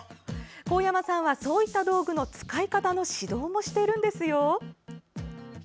神山さんは、そういった道具の使い方の指導もしているんですよ。